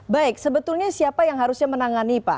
baik sebetulnya siapa yang harusnya menangani pak